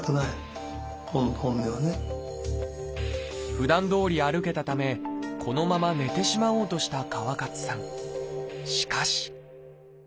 ふだんどおり歩けたためこのまま寝てしまおうとした川勝さん。